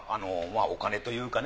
お金というかね。